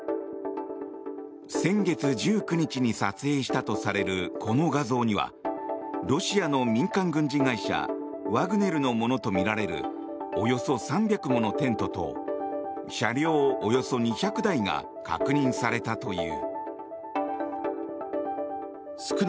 先月１９日に撮影したとされるこの画像にはロシアの民間軍事会社ワグネルのものとみられるおよそ３００ものテントと車両およそ２００台が確認されたという。